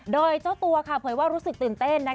โดยเจ้าตัวเผยว่ารู้สึกตื่นเต้น